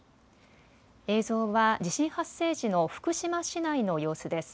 映像は地震発生時の福島市内の様子です。